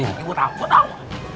gua tau gua tau